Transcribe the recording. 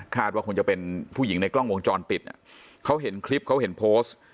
ว่าคงจะเป็นผู้หญิงในกล้องวงจรปิดเขาเห็นคลิปเขาเห็นโพสต์